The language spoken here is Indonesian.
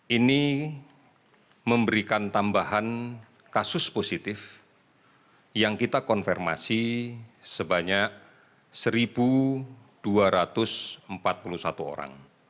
ini memberikan tambahan kasus positif yang kita konfirmasi sebanyak satu dua ratus empat puluh satu orang